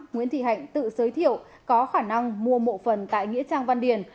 nguyễn thị hạnh tự giới thiệu có khả năng mua mộ phần tại nghĩa trang văn điền